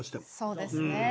そうですね